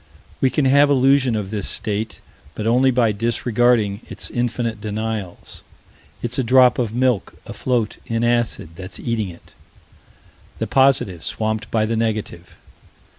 We can have illusion of this state but only by disregarding its infinite denials. It's a drop of milk afloat in acid that's eating it. The positive swamped by the negative.